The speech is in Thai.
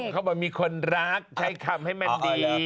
เขาบอกมีคนรักใช้คำให้มันดี